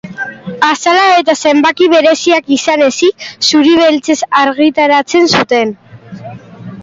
Azalak eta zenbaki bereziak izan ezik, zuri-beltzez argitaratzen zuten.